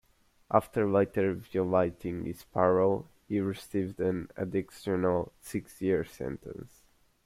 After later violating his parole, he received an additional six-year sentence.